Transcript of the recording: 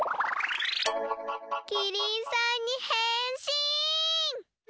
キリンさんにへんしん！